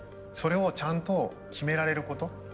それをちゃんと決められること。